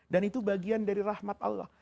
dan itu bagian dari rahmat allah